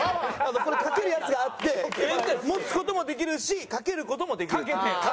これかけるやつがあって持つ事もできるしかける事もできる。